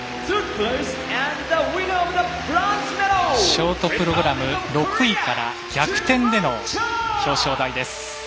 ショートプログラム６位から逆転での表彰台です。